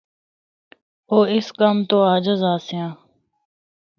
او اس کم تو عاجز آسیاں۔